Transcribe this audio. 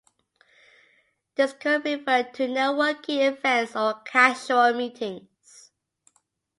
This could refer to networking events or casual meetings.